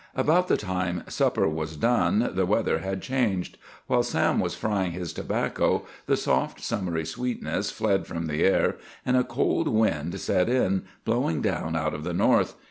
About the time supper was done the weather had changed. While Sam was frying his tobacco, the soft summery sweetness fled from the air, and a cold wind set in, blowing down out of the north.